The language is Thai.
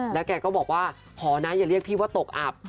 แล้วแกก็บอกว่าขอนะอย่าเรียกพี่ว่าตกอับ